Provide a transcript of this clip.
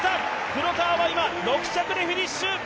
黒川は今６着でフィニッシュ。